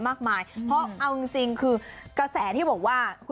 มากมายเพราะเอาจริงคือกระแสที่บอกว่า